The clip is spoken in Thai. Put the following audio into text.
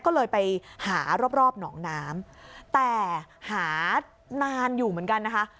ก็เลยไปหารอบรอบหนองน้ำแต่หานานอยู่เหมือนกันนะคะ